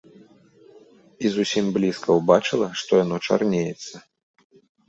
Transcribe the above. І зусім блізка ўбачыла, што яно чарнеецца.